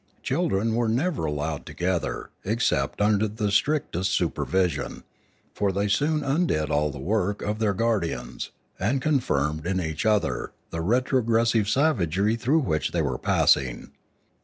Children were never allowed together except under the strictest supervision ; for they soon undid all the work of their guardians, and confirmed in each other the retrogressive savagery through which they were passing.